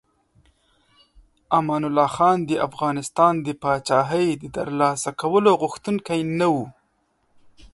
امان الله خان د افغانستان د پاچاهۍ د ترلاسه کولو غوښتونکی نه و.